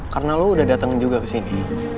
karena lo udah datang juga kesini